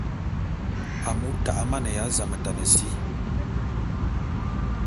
Amu ta'a amaneya zametane si.